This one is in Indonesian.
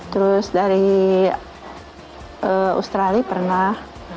terus dari australia pernah